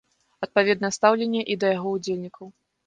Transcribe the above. Адпаведнае стаўленне і да яго ўдзельнікаў.